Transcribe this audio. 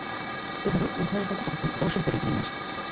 এভাবে উভয়ের কথোপকথন দশজন পর্যন্ত নেমে আসে।